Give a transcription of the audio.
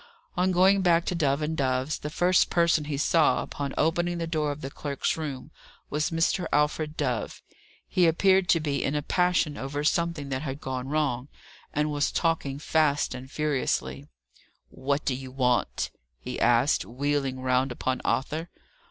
On going back to Dove and Dove's, the first person he saw, upon opening the door of the clerks' room, was Mr. Alfred Dove. He appeared to be in a passion over something that had gone wrong, and was talking fast and furiously. "What do you want?" he asked, wheeling round upon Arthur.